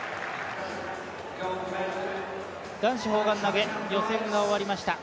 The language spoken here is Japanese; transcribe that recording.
男子砲丸投、予選が終わりました。